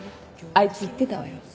あいつ言ってたわよ。